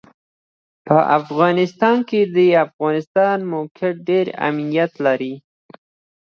په افغانستان کې د افغانستان د موقعیت ډېر اهمیت لري.